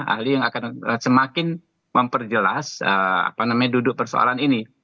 ahli yang akan semakin memperjelas duduk persoalan ini